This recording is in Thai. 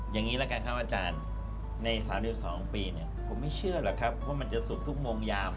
อย่างนี้ละกันครับอาจารย์ใน๓๒ปีเนี่ยผมไม่เชื่อหรอกครับว่ามันจะสุกทุกโมงยาม